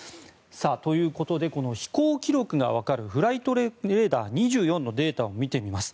ということで飛行記録が分かるフライトレコーダー２４のデータを見てみます。